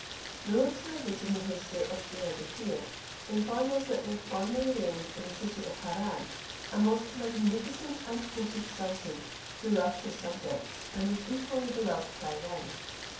Those who have written the history of Diarbekir inform us that there formerly reigned in the city of Harran a most magnificent and potent sultan, who loved his subjects, and was equally beloved by them.